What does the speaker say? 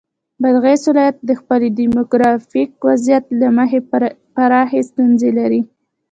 بادغیس ولایت د خپل دیموګرافیک وضعیت له مخې پراخې ستونزې لري.